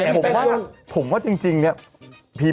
แล้วผมฮะผมว่าจริงนี่